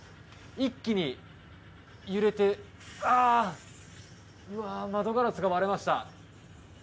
一気に揺れて窓ガラスが割れました。